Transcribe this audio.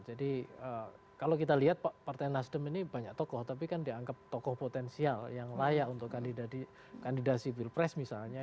jadi kalau kita lihat partai nasdem ini banyak tokoh tapi kan dianggap tokoh potensial yang layak untuk kandidasi bill press misalnya